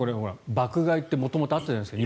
爆買いって元々、あったんじゃないですか。